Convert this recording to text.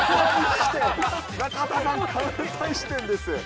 中田さん、関西支店です。